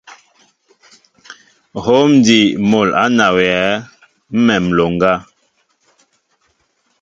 Hǒm ádí mol á nawyɛέ ḿmem nloŋga.